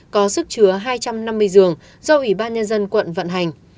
có sức chứa hai trăm năm mươi giường do ubnd quận vận hành